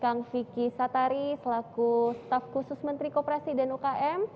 terima kasih buat kang vicky satari selaku staf khusus menteri koperasi dan umkm